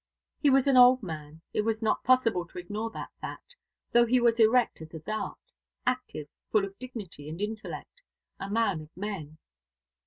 He was an old man: it was not possible to ignore that fact, though he was erect as a dart, active, full of dignity and intellect a man of men.